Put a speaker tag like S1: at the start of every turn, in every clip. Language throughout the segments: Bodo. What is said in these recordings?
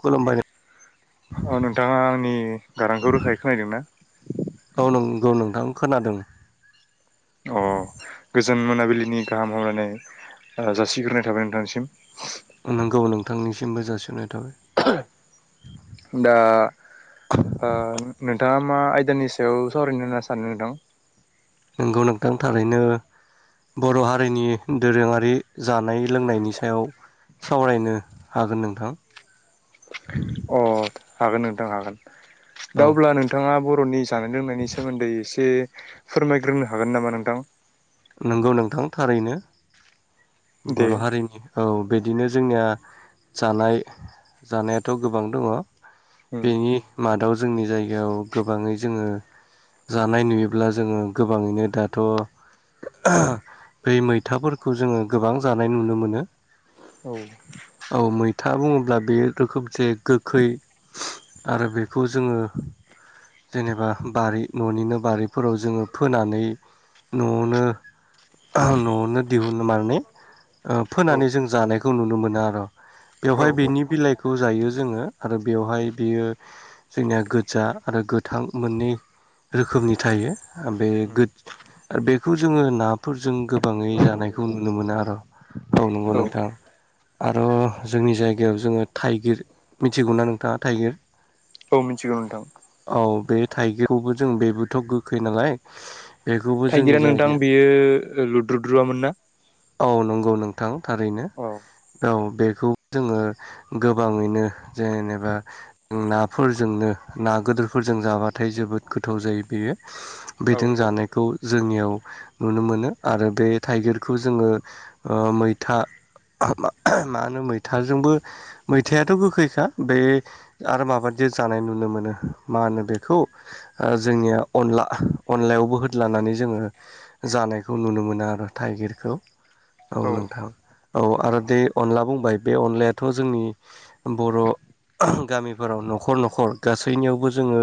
S1: खुलुमबाय
S2: औ नोंथाङा आंनि गारांखौ रोखायै खोनायादों ना?
S1: औ नंगौ नोंथां खोनादों
S2: अ गोजोन मोनाबिलिनि गाहाम हामलायनाय जासिग्रोनाय थाबाय नोंथांनिसिम
S1: नंगौ नोंथांनिसिमबो जासिनाय थाबाय।
S2: दा ओ नोंथाङा मा आयदानि सायाव सावरायनो होनना सानो नोंथां
S1: नोंगौ नोंथां थारैनो बर' हारिनि दोरोङारि जानाय लोंनायनि सायाव सावरायनो हागोन नोंथां
S2: अ हागोन नोंथां हागोन
S1: औ
S2: दा अब्ला नोंथाङा बर नि जानाय लोंनायनि सोमोन्दै एसे फोरमायग्रोनो हागोन नामा नोंथां
S1: नंगौ नोंथां थारैनो
S2: दे
S1: बर' हारिनि औ बिदिनो जोंनिया जानाय जानायाथ' गोबां दङ
S2: उम
S1: बेनि मादाव जोंनि जायगायाव गोबाङै जोङो जानाय नुयोब्ला जोङो गोबाङैनो दाथ' बै मैथाफोरखौ जोङो गोबां जानाय नुनो मोनो
S2: औ
S1: खोथा बुङोब्ला बेयो रोखोमसे गोखै आरो बेखौ जोङो जेनेबा बारि न'निनो बारिफोराव जोङो फोनानै न'आवनो ओहो न'आवनो दिहुननो मानि ओ फोनानै
S2: औ
S1: जों जायो खौ नुनो मोनो आरो
S2: औ
S1: बेवहाय
S2: औ
S1: बेनि बिलाइखौ जायो जोङो आरो बेवहाय बियो जोंनिया गोजा आरो गोथां मोननै रोखोमनि थायो बे गो
S2: उम
S1: बेखौ जोङो नाफोरजों जों गोबाङै जानायखौ नुनो मोनो आरो औ नंगौ नोंथां आरो जोंनि जायगायाव जोङो थाइगिर मिथिगौ ना नोंथाङा थाइगिर
S2: औ मिथिगौ नोंथां
S1: औ बे थाइगिरखौबो जों बेबोथ' गोखै नालाय बेखौबो जोंनि जायगाया
S2: बियो लुद्रुद्रुआमोन ना
S1: औ नंगौ नोंथां थारैनो औ बेखौ जोङो गोबाङैनो जेनेबा नाफोरजोंनो ना गेदोरफोरजों जाबाथाय जोबोद गोथाव जायो बेयो
S2: औ
S1: बेजों जानायखौ जोंनियाव नुनो मोनो आरो बे थाइगिरखौ बे खौ जोङो ओ मैथा हा मानो मैथाजोंबो मैथायाथ' गोखैखा बे आरो मा जानाय नुनो मोनो मा होनो बेखौ जोंनिया अनला अनलायावबो होद्लानानै होनानै जोङो जानायखौ नुनो मोनो आरो थाइगिरखौ औ नोंथां औ आरो बे अनला बुंबाय बे अनलायाथ' जोंनि बर' गामिफोराव न'खर न'खर गासैनियावबो जोङो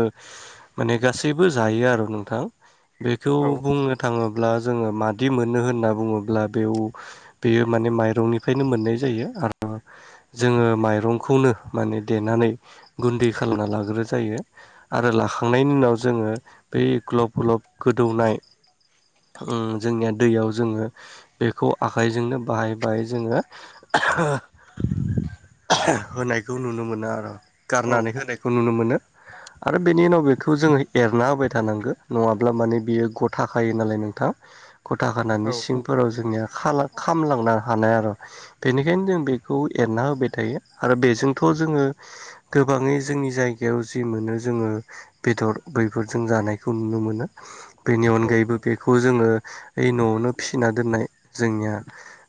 S1: माने गासैबो जायो आरो नोंथां बेखौ
S2: औ
S1: बुंनो थाङोब्ला जोङो मादि मोनो होनना बुङो अब्ला बेयाव बेयो माने माइरंनिफ्रायनो मोननाय जायो आरो जोङो माइरंखौनो माने देनानै गुन्दै खालामना लाग्रोनाय जायो आरो लाखांनायनि उनाव जोङो बे ग्लब ग्लब गोदौनाय जोंनिया दैयाव जोङो बेखौ आखाइजोंनो बाहाय बाहाय जोङो होनायखौ नुनो मोनो आरो
S2: औ
S1: गारनानै होनायखौ नुनो मोनो आरो बेनि उनाव बेखौ जोङो एरना होबाय थानांगौ नङाब्ला माने बियो गथाखायो नालाय नोंथां गथा
S2: औ
S1: खानानै सिं फोराव जोंनिया खाला खामलांनो हानाय आरो बेनिखायनो जों बेखौ एरना होबाय थायो आरो बेजोंथ जोङो गोबाङै जोंनि जायगायाव जि मोनो जोङो बेदर बै जों जानायखौ नुनो मोनो बेनि अनगायैबो बेखौ जोङो यै न'आवनो फि फिना दोननाय जोंनिया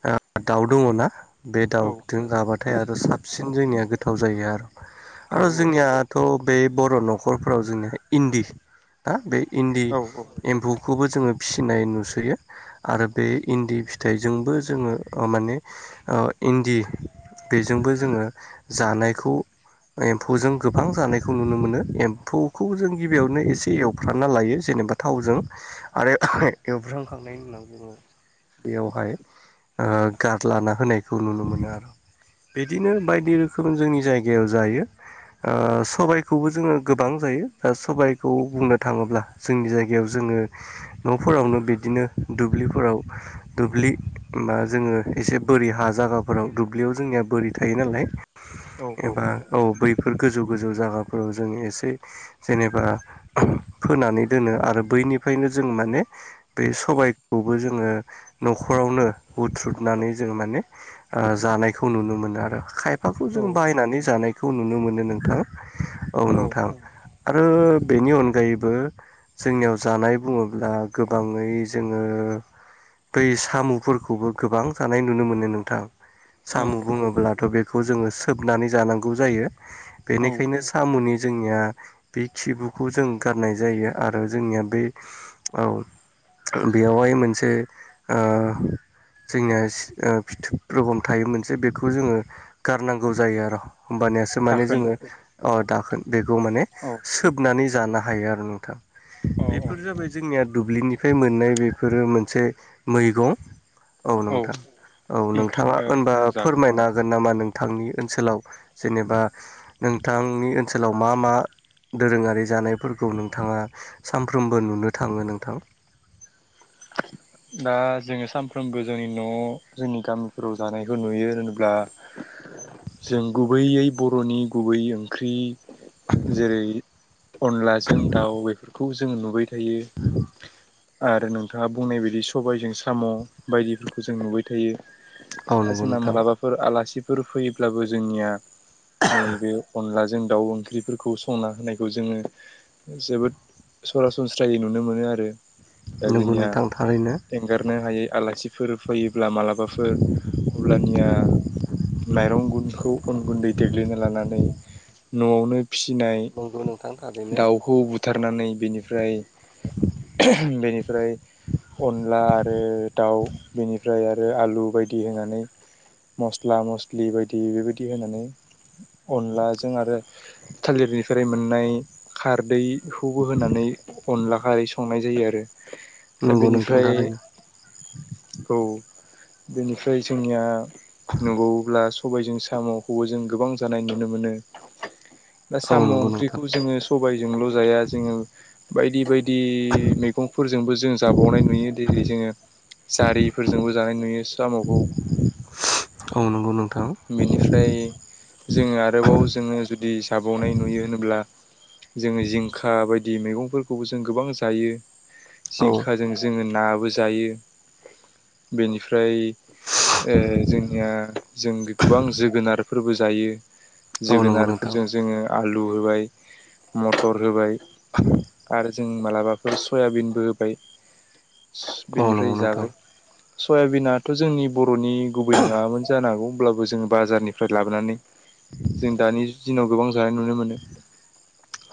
S1: ओ दाउ दङ'ना बे दाउजों जाबाथाय आरो साफ साबसिन जोंनिया गोथाव जायो आरोमा आरो जोंनिया थ' बे बर' न'खरफोराव जोंनिया इन्दि दा बे इन्दि
S2: औ
S1: एम्फौखौबो जोङो फिसिनाय नुसोयो आरो बे इन्दि फिथाइजोंबो जोङो माने ओ इन्दि बेजोंबो जोङो जानायखौ- एम्फौ जों गोबां जानायखौ नुनो मोनो एम्फौखौ जों गिबियावनो एसे एवफ्रानना लायो जे- जेनेबा थावजों आरो एवस्रांखांनायनि उनाव- जोङो बेयावहाय गारलाना होनायखौ नुनो मोनो आरो। बिदिनो बायदि रोखोम जोंनि जायगायाव जायो। ओ सबायखौबो जोङो गोबां जायो। सबाइखौ बुंनो थाङोब्ला जोंनि जायगायाव जों- आंङो न'फोरावनो बिदिनो- दुब्लिफोराव दुब्लि बा जोङो एसे बोरि हा जायगाफोराव दुब्लियाव जोंओ। बोरै थायो नालाय एबा औ बैफोर गोजौ -गोजौ जायगाफोराव जों एसे जेनेबा फोनानै दोनो आरो बैनि फ्रायनो जों माने बे सबाय खौबो जोङो न'खरावनो ऊथ्रुदनानै जों माने जानायखौ नुनो मोनो मोनो आरो खाइफ फाखौ जों बायनानै जानायखौ नुनो मोनो नोंथाङा औ नोंथां। आरो बेनि अनगायैबो जोंनियाव जानाय बुङोब्ला गोबाङै जोङो बै साम'फोरखौबो गोबां जानाय नुनो मोनो नोंथां। साम'
S2: औ
S1: बुङोब्लाथ' बेखौ जोङो सोबनानै जानांगौ जायो।
S2: औ
S1: बेनिखायनो सामुनि जोंनिया बे खिबुखौ जों गारनाय जायो आरो जोंनिया बे औ बेयावहाय मोनसे जोंनिया फिथोब रखम थायोमोनसे बेखौ जोङो गारनांगौ जायो आरो'। होमबानियासो माने
S2: दाखोन
S1: जोङो अ दा बेखौ माने
S2: औ
S1: सोबनानै जानो हायो आरो नोंथां।
S2: औ
S1: बेफोर जाबाय जोंनिया दुब्लिनिफ्राय मोननाय बेफोरो मोनसे मैगं औ नोंथां औ
S2: ओंख्रि
S1: नोंथाङा
S2: ओ
S1: होनबा
S2: जागोन
S1: फोरमायनो हागोन नामा नों -थांनि ओनसोलाव जेनेबा नोंथांनि ओनसोलाव मा -मा दोरोङारि जानायफोरखौ नोंथाङा सानफ्रोमबो नुनो थाङो नोंथां?
S2: दा जोङो सानफ्रोमबो जोंनि न' जोंनि गामिफोराव जानायखौ नुयो होनोब्ला जों गुबैयै बर'नि गुबै ओंख्रि जेरै अनलाजों दाउ बेफोरखौ जों नुुबाय थायो आरो नोंथाङा बुंनाय बायदि सम सबायजों साम' बायदिफोरखौ जों नुबाय थायो
S1: औ
S2: आरो
S1: नंगौ
S2: जोंना
S1: नोंथां
S2: मालाबाफोर आलासि फोर फैयोब्लाबो जोंनिया नैबे अनला जों दाउ ओंख्रिफोरखौ संना होनायखौ जोङो जोबोद सरासनस्रायै नुनो मोनो आरो।
S1: नंगौ नोंथां थारैनो।
S2: एगारनो हायै आलासिफोर फैयोब्ला मालाबाफोर अब्लानिया माइरं गुनखौ अन गुन्दै देग्लिना लानानै न'आवनो फिसिनाय
S1: नंगौ नोंथां थारैनो
S2: दाउखौ बुथारनानै बेनिफ्राय बेनिफ्राय अनला आरो दाउ बेनिफ्राय आरो आलु बायदि होनानै मस्ला- मस्लि बायदि बेबायदि होनानै अनलाजों आरो थालिरनिफ्राय मोननाय खारदै बेखौबो होनानै अनला खारै संनाय जायो आरो। दा
S1: नंगौ नोंथां
S2: बेनिफ्राय
S1: थारैनो।
S2: औ बेनिफ्राय जोंनिया नुबावोब्ला सबायाइजों साम' हब'जों गोबां जानाय नुनो मोनो। दा
S1: औ
S2: साम'
S1: नंगौ नोंथां
S2: ओंख्रिखौ जोङो सबायजोंल' जाया जोङो बायदि- बायदि -दि मैगंफोरजोंबो जों जाबावनाय नु नुयो जेरै जोङो जारिफोरजोंबो जानाय नुयो साम'खौ।
S1: औ नंगौ नोंथां।
S2: बेनिफ्राय जोङो आरोबाव जोङो जुदि जाबावनाय नुयो होनोब्ला जोङो जिंखा बायदि बायदि मैगंफोरखौबो जों गोबां जायो
S1: औ
S2: जिंखाजों जोङो नाबो जा जायो बेनिफ्राय ओ जोंनिया जों गोबां जोगोनारफोरबो जायो
S1: औ नंगौ नोंथां
S2: जोगोनारफोरजों जोङो आलद आलु होबाय मथर होबाय आरो जों मालाबाफोर सयाबिनबो होबाय
S1: औ
S2: बेनिफ्राय
S1: नंगौ नोंथां
S2: जाबाय सयाबिनाथ' जोंनि बर'नि गुबै नोङामोन जानो हागौ अब्लाबो जोङो बाजारनिफ्राय लाबोनानै जों दानि दिनाव गोबां जानाय नुनो मोनो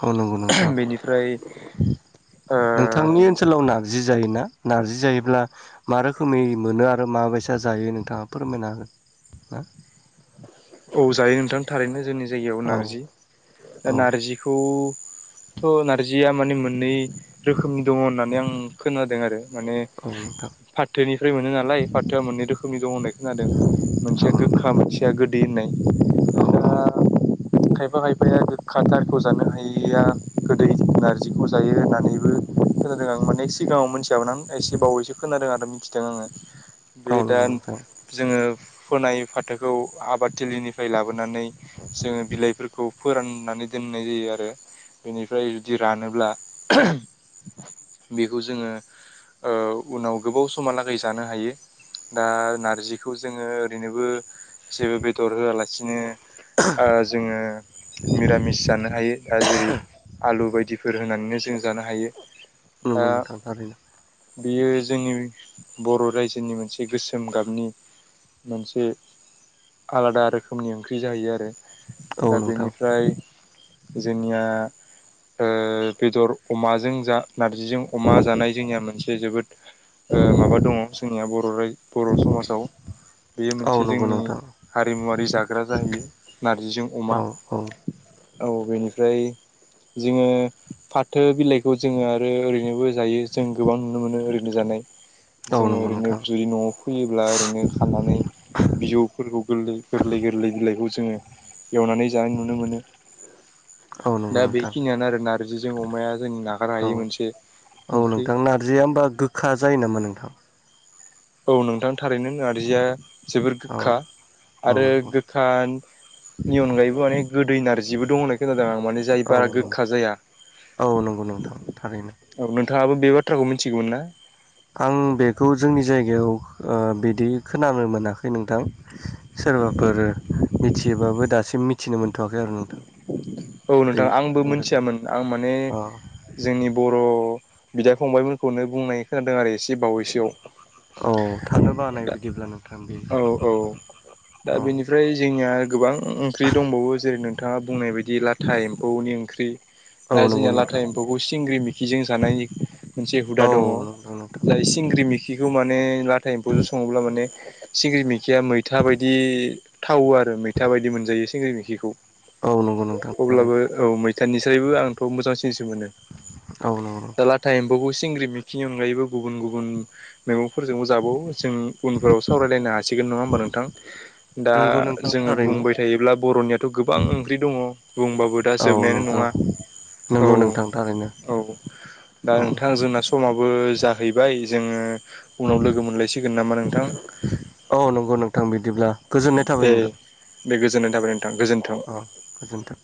S1: औ नंगौ नोंथां
S2: बेनिफ्राय ओ
S1: नोंथांनि ओनसोलाव नारजि जायोना? नारजि जायोब्ला मा रोखोमै मोनो आरो माबायसा जायो नोंथाङा फोरमायनो हो। [unintelligible]
S2: औ जायो नोंथां थारैनो जोंनि जायगायाव
S1: औ
S2: नारजि दा
S1: औ
S2: नारजिखौ थ' नारजिया माने मोननै रोखोमनि दङ होननानै आं खोनादों आरो । माने
S1: औ नोंथां
S2: फाथोनिफ्राय मोनो नालाय फाथोआ मोननै रोखोमनि दं होननाय खोनादों
S1: औ
S2: मोनसे गोखा
S1: नंगौ नोंथां
S2: मोनसेया गोदै होननाय
S1: औ
S2: दा
S1: औ
S2: खायफा खायफाया गोखाथारखौ जानो हायैया गोदै नारजिखौ जायो होननानैबो खोनादों आं माने सिगाङाव मिथियामोन आं एसे बावैसो खोनादों आरो मिथिदों आङो बे
S1: औ
S2: दा
S1: नंगौ नोंथां
S2: जोङो फोनाय फाथोखौ । आबादथिलिनिफ्राय लाबोनानै जोङो बिलाइफोरखौ फोराननानै दोननाय जायो आरो बेनिफ्राय जुदि रानोब्ला बेखौ जोङो ओ उनाव गोबाव समहालागै जानो हायो । दा नारजिखौ जोङो ओरैनोबो जेबो बेदर होआलासिनो ओ जोङो निरामिस जानो हायो दा जेरै आलु बायदि । बायदिफोर होनानैनो जों जानो हायो ।
S1: नोंगौ नोंथां थारैनो ।
S2: बियो जोंनि बर' रायजोनि मोनसे गोसोम गाबनि मोनसे आलादा रोखोमनि ओंख्रि जाहैयो आरो
S1: औ
S2: दा
S1: नोंथां
S2: बेनिफ्राय जोंनिया ओ बेदर अमाजों जा नारजिजों अमा जानाय जोंनिया मोनसे जोबोद ओ माबा दङ जोंनिया बर' रायजो बर' समाजाव बेयो
S1: औ
S2: मोनसे
S1: नंगौ
S2: जोंनि
S1: नोंथां
S2: हारिमुवारि जाग्रा जाहैयो नारजिजों
S1: औ
S2: अमा
S1: औ
S2: औ बेनिफ्राय जोङो फाथो बिलाइखौ जोङो आरो ओरैनोबो जायो जों गोबां नुनो मोनो ओरैनो जानाय ।
S1: औ
S2: जोङो
S1: नंगौ
S2: ओरैनो
S1: नोंथां
S2: जुदि न'वाव फैयोब्ला ओरैनो खाननानै बिजौ गोरलै गोरलै गोरलै बिलाइखौ जोङो एवनानै जानाय नुनो मोनो
S1: औ
S2: ।
S1: नंगौ
S2: दा बे
S1: नोंथां
S2: खिनियानो आरो नार्जिजों अमाया जोंनि
S1: औ
S2: नागारहायै मोनसे
S1: औ
S2: ओंख्रि
S1: नोंथां नारजिया होमबा गोखा जायो नोमा नोंथां ।
S2: औ नोंथां थारैनो नारजिया जोबोर
S1: औ
S2: गोखा
S1: औ
S2: आरो
S1: नंगौ
S2: गोखा नि अनगायैबो माने गोदै नारजिबो दं होननाय खोनादों आं । माने जाय
S1: औ
S2: बारा
S1: नं
S2: गोखा जाया
S1: औ नंगौ नोंथां थारैनो
S2: [inaudible] नोंथाङाबो बे बाथ्राखौ मिथिगौमोन ना?
S1: आं बेखौ जोंनि जायगायाव ओ बिदि खोनानो मोनाखै नोंथां । सोरबाफोर मिथियोबाबो दासिम मिथिनो मोनथ'वाखै आरो नोंथां ।
S2: औ नोंथां आंबो मोनथियामोन आं माने
S1: अ
S2: जोंनि बर' बिदा फंबाइमोनखौनो बुंनाय खोनादों आरो एसे बावैसोआव ।
S1: औ थानोबो हानाय बिदिब्ला नोंथां ।
S2: औ औ दा बेनिफ्राय जोंनिया गोबां ओंख्रि दंबावो जेरै नों थाङा बुंनाय बायदि लाथा एम्फौनि ओंख्रि
S1: औ
S2: दा
S1: नंगौ
S2: जोंनिना लाथा
S1: नोंथां
S2: एम्फौखौ सिंग्रि मिखिजों जानाय मोनसे हुदा
S1: औ
S2: दङ।
S1: नंगौ नोंथां
S2: जाय सिंग्रि मि खिखौ माने लाथा एम्फौजो सङोब्ला माने सिंग्रि मैखिया मैथा बायदि थावो आरो मैथा बायदि मोनजायो सिंगि मैखिखौ
S1: औ नंगौ नोंथां
S2: अब्लाबो
S1: थारैनो
S2: औ मै था स्रायबो आंथ' मोजांसिनसो मोनो
S1: औ नंगौ
S2: दा
S1: नोंथां
S2: लाथा एम्फौखौ सिंग्रि मैखिनि अनगायैबो गुबुन गुबुन मैगंफोरजोंबो जाबावो जों उनफोराव सावरायलायनो हासिगोन नङा होमबा नोंथां? दा
S1: नंगौ नोंथां
S2: जोङो
S1: थारैनो
S2: बुंबाय थायोब्ला बर'नियाथ' गोबां ओंख्रि दङ बुंबाबो दा
S1: औ
S2: जोबनायानो नङा
S1: नोंथां
S2: औ
S1: नंगौ नोंथां थारैनो
S2: औ दा
S1: औ
S2: नोंथां जोंना समाबो जाहैबाय जोङो उनाव लोगो मोनलायसिगोन नामा नोंथां
S1: औ नंगौ नोंथां बिदिब्ला गोजोननाय थाबाय नोंथां।
S2: बे गोजोननाय थाबाय नोंथां गोजोन्थों।
S1: औ गोजोन्थों।